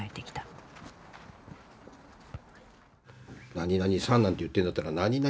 「何々さん」なんて言ってんだったら何々